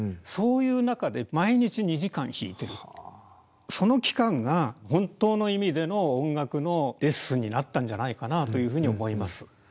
そういう中で毎日２時間弾いてるその期間が本当の意味での音楽のレッスンになったんじゃないかなというふうに思います。